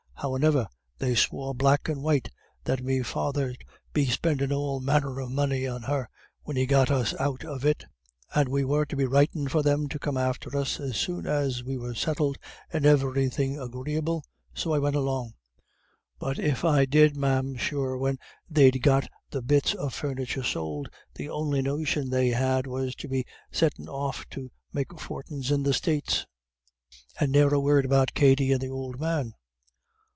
Howane'er they swore black and white that me father'd be spendin' all manner of money on her when he got us out of it, and we were to be writin' for them to come after us as soon as we were settled, and iverythin' agreeable so I went along. But if I did, ma'am, sure when they'd got the bits of furniture sold, the on'y notion they had was to be settin' off to make fortins in the States, and ne'er a word about Katty and th' ould man.